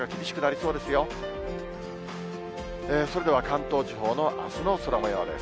それでは関東地方のあすの空もようです。